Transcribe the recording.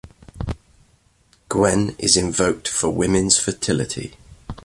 Gwen is invoked for women's fertility.